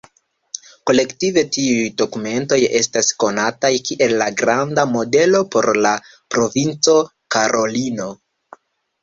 Kolektive, tiuj dokumentoj estas konataj kiel la Granda Modelo por la Provinco Karolino.